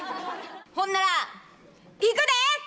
ほんならいくで！